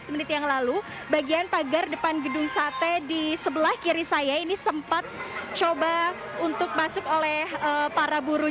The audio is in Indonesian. lima belas menit yang lalu bagian pagar depan gedung sate di sebelah kiri saya ini sempat coba untuk masuk oleh para buruh